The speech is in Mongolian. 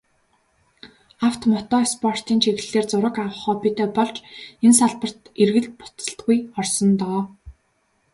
Авто, мото спортын чиглэлээр зураг авах хоббитой болж, энэ салбарт эргэлт буцалтгүй орсон доо.